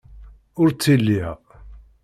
Ur ttiliɣ.